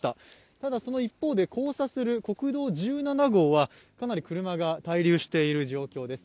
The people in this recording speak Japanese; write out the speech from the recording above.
ただその一方で交差する国道１７号はかなり車が滞留している状況です。